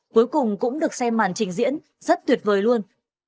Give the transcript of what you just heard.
cuối cùng cũng được xem màn trình diễn rất tuyệt vời luôn